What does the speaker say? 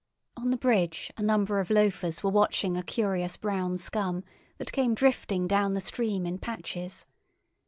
On the bridge a number of loafers were watching a curious brown scum that came drifting down the stream in patches.